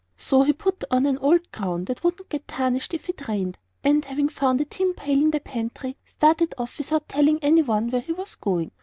So he put on an old crown that would not get tarnished if it rained, and, having found a tin pail in the pantry, started off without telling any one where he was going.